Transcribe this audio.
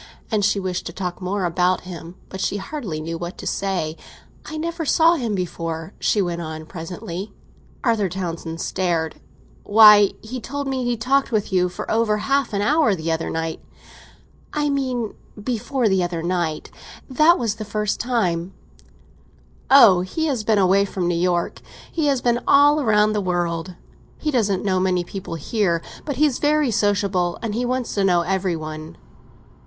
And she wished to talk more about him; but she hardly knew what to say. "I never saw him before," she went on presently. Arthur Townsend stared. "Why, he told me he talked with you for over half an hour the other night." "I mean before the other night. That was the first time." "Oh, he has been away from New York—he has been all round the world. He doesn't know many people here, but he's very sociable, and he wants to know every one."